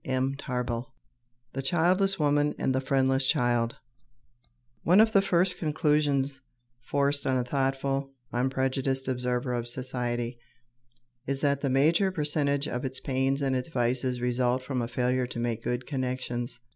CHAPTER VIII THE CHILDLESS WOMAN AND THE FRIENDLESS CHILD One of the first conclusions forced on a thoughtful unprejudiced observer of society is that the major percentage of its pains and its vices result from a failure to make good connections.